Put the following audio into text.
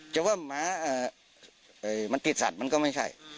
แต่ว่าหมามันติดสัตว์มันก็ไม่ใช่